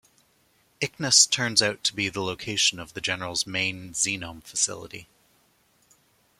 Icnus turns out to be the location of the General's main Xenome facility.